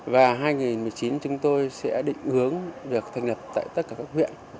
và hai nghìn một mươi chín chúng tôi sẽ định hướng được thành lập tại tất cả các huyện